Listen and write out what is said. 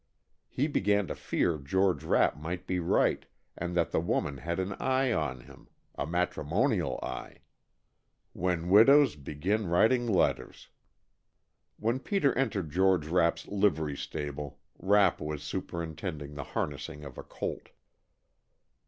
He began to fear George Rapp might be right, and that the widow had an eye on him a matrimonial eye. When widows begin writing letters! When Peter entered George Rapp's livery stable, Rapp was superintending the harnessing of a colt.